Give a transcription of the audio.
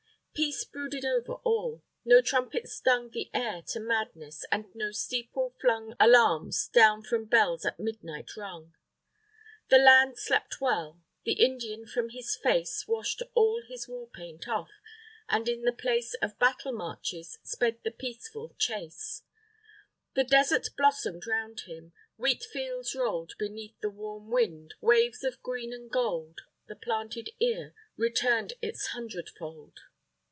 _ _Peace brooded over all. No trumpet stung The air to madness, and no steeple flung Alarums down from bells at midnight rung._ _The Land slept well. The Indian from his face Washed all his war paint off, and in the place Of battle marches, sped the peaceful chase._ _The desert blossomed round him; wheatfields rolled Beneath the warm wind, waves of green and gold, The planted ear returned its hundredfold.